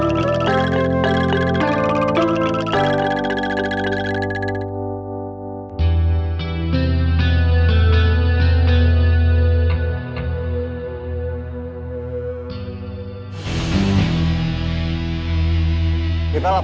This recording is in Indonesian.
tidak ada motornya di taman